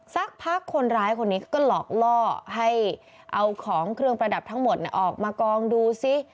สักพักคนร้ายคนนี้ก็หลอกล่อให้เอาของเครื่องประดับทั้งหมดออกมากองดูซิ